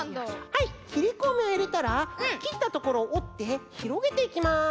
はいきりこみをいれたらきったところをおってひろげていきます。